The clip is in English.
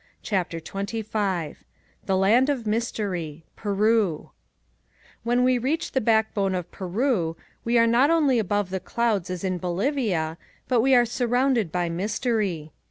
CHAPTER XXV THE LAND OF MYSTERY PERU When we reach the backbone of Peru we are not only above the clouds as in Bolivia, but we are surrounded by mystery.